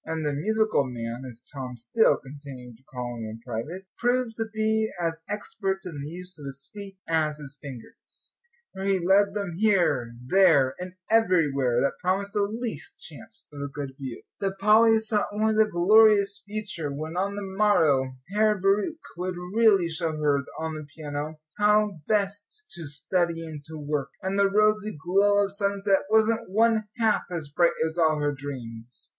And the "musical man," as Tom still continued to call him in private, proved to be as expert in the use of his feet as his fingers, for he led them here, there, and everywhere that promised the least chance of a good view. But Polly saw only the glorious future when, on the morrow, Herr Bauricke would really show her on the piano how best to study and to work! And the rosy glow of sunset wasn't one half as bright as all her dreams.